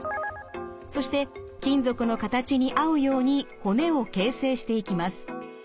そして金属の形に合うように骨を形成していきます。